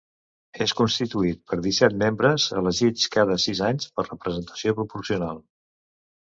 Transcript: És constituït per disset membres, elegits cada sis anys per representació proporcional.